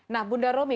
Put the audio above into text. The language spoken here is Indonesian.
nah bunda romy